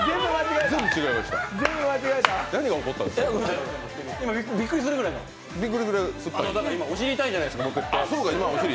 だから今、お尻痛いじゃないですか、僕。